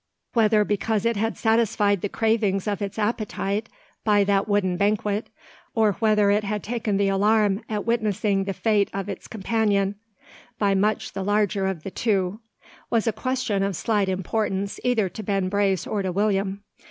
Whether because it had satisfied the cravings of its appetite by that wooden banquet, or whether it had taken the alarm at witnessing the fate of its companion, by much the larger of the two, was a question of slight importance either to Ben Brace or to William.